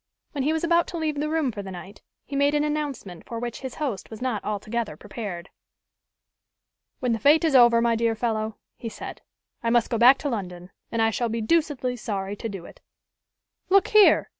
When he was about to leave the room for the night, he made an announcement for which his host was not altogether prepared. "When the fête is over, my dear fellow," he said, "I must go back to London, and I shall be deucedly sorry to do it." "Look here!"